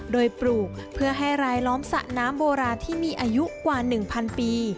โดยปลูกเพื่อให้รายล้อมสระน้ำโบราณที่มีอายุกว่า๑๐๐ปี